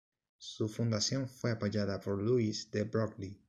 Su fundación fue apoyada por Louis de Broglie.